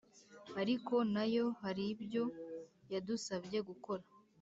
Ariko nayo haribyo yadusabye gukora